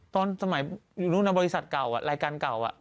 ตอนสมัยอยู่นู้นนะบริษัทเก่ารายการเก่า